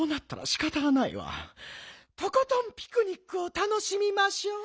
とことんピクニックをたのしみましょう。